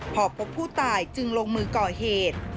พอพบผู้ตายจึงลงมือก่อเหตุ